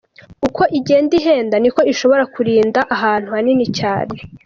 Uko igenda ihenda ni ko ishobora kurinda ahantu hanini cyane.